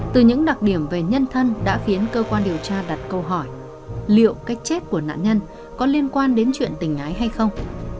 từ những đặc điểm về nhân thân đã khiến cơ quan điều tra đặt câu hỏi liệu cách chết của nạn nhân có liên quan đến chuyện tình ái hay không